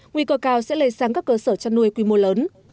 nguy cơ cao sẽ lây sang các cơ sở chăn nuôi quy mô lớn